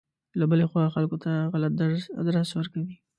له بلې خوا خلکو ته غلط ادرس ورکوي.